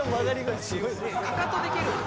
かかとで蹴る。